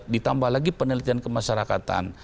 ditambah lagi penelitian kemasyarakatan